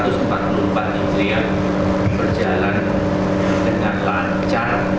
memastikan agar jalannya lebaran seribu empat ratus empat puluh empat litri yang berjalan dengan lancar